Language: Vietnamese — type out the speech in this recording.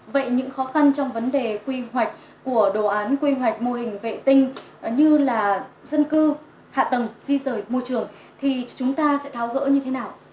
vậy những khó khăn trong vấn đề quy hoạch của đồ án quy hoạch mô hình vệ tinh như là dân cư hạ tầng di rời môi trường thì chúng ta sẽ tháo gỡ như thế nào